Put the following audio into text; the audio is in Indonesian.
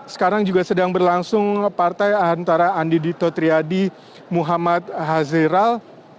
sekarang juga sedang berlangsung partai antara andi dito triadi muhammad haziral